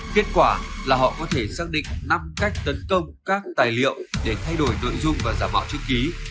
kết quả là họ có thể xác định năm cách tấn công các tài liệu để thay đổi nội dung và giả mạo chữ ký